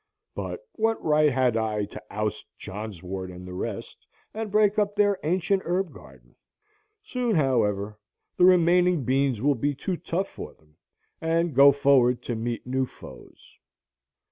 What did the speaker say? But what right had I to oust johnswort and the rest, and break up their ancient herb garden? Soon, however, the remaining beans will be too tough for them, and go forward to meet new foes.